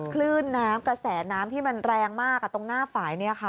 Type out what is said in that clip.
คลื่นน้ำกระแสน้ำที่มันแรงมากตรงหน้าฝ่าย